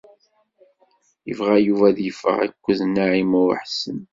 Yebɣa Yuba ad yeffeɣ akked Naɛima u Ḥsen.